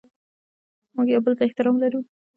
موږ یو بل ته احترام لرو.